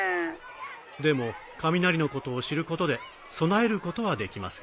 でも雷のことを知ることで備えることはできますよ。